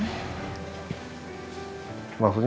maksudnya ngumpul semuanya